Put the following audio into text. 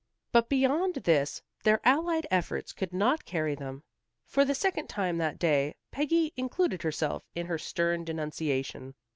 But, beyond this, their allied efforts could not carry them. For the second time that day, Peggy included herself in her stern denunciation.